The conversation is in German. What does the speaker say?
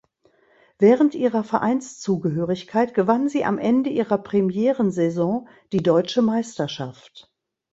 Während ihrer Vereinszugehörigkeit gewann sie am Ende ihrer Premierensaison die Deutsche Meisterschaft.